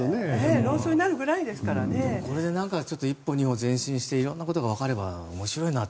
これで一歩、二歩前進していろんなことが分かれば面白いなと。